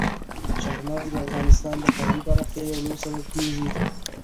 چار مغز د افغانستان د ښاري پراختیا یو لوی سبب کېږي.